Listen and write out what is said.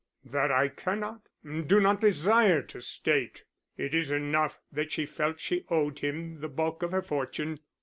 "That I cannot, do not desire to state. It is enough that she felt she owed him the bulk of her fortune.